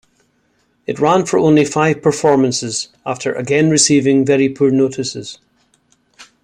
It ran for only five performances after again receiving very poor notices.